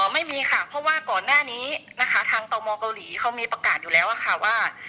ไม่มีค่ะเพราะว่าก่อนหน้านี้นะคะทางตมเกาหลีเขามีประกาศอยู่แล้วค่ะว่า